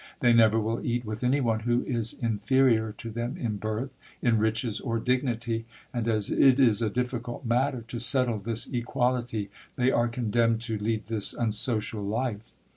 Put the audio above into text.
They never will eat with any one who is inferior to them in birth, in riches, or dignity; and as it is a difficult matter to settle this equality, they are condemned to lead this unsocial life.